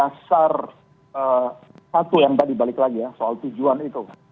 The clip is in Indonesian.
dan itu adalah dasar satu yang tadi balik lagi ya soal tujuan itu